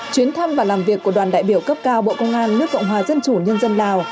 chuyến thăm và làm việc của đoàn đại biểu cấp cao bộ công an nước cộng hòa dân chủ nhân dân lào